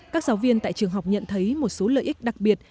các giáo viên tại trường học nhận thấy một số lợi ích đặc biệt